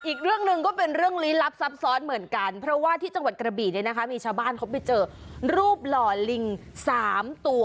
อีกเรื่องหนึ่งก็เป็นเรื่องลี้ลับซับซ้อนเหมือนกันเพราะว่าที่จังหวัดกระบี่เนี่ยนะคะมีชาวบ้านเขาไปเจอรูปหล่อลิงสามตัว